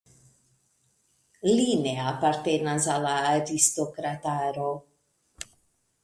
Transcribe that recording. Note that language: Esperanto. Li ne apartenas al la aristokrataro.